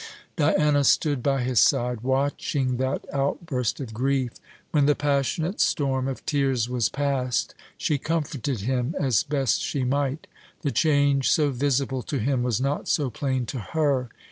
Diana stood by his side watching that outburst of grief. When the passionate storm of tears was past, she comforted him as best she might. The change so visible to him was not so plain to her.